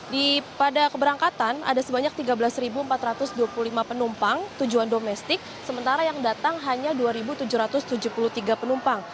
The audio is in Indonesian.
di pada keberangkatan ada sebanyak tiga belas empat ratus dua puluh lima penumpang tujuan domestik sementara yang datang hanya dua tujuh ratus tujuh puluh tiga penumpang